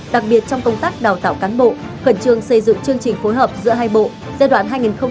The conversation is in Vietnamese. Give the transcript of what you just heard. đặc biệt trong công tác đào tạo cán bộ khẩn trương xây dựng chương trình phối hợp giữa hai bộ giai đoạn hai nghìn một mươi sáu hai nghìn hai mươi năm